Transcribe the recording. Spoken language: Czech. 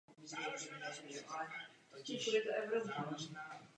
Cestu na Svaté město měl nyní zcela volnou.